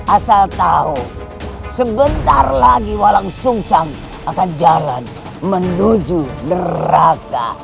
asal tahu sebentar lagi walang sungsang akan jalan menuju neraka